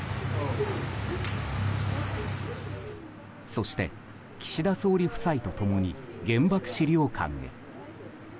そして、岸田総理夫妻と共に原爆資料館へ。